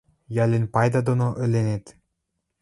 Йӓлӹн пайда доно ӹлӹнет!